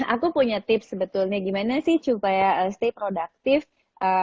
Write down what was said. aku punya tips sebetulnya gimana sih supaya stay productive